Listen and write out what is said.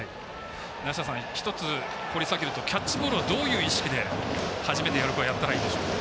梨田さん一つ掘り下げるとキャッチボールはどういう意識で初めてやる子はやった方がいいでしょうか。